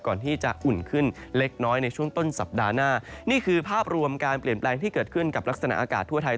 ก่อนที่จะอุ่นขึ้นเล็กน้อยในช่วงต้นสัปดาห์หน้านี่คือภาพรวมการเปลี่ยนแปลงที่เกิดขึ้นกับลักษณะอากาศทั่วไทย